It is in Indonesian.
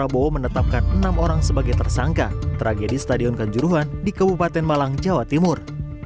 prabowo menetapkan enam orang sebagai tersangka tragedi stadion kanjuruhan di kabupaten malang jawa timur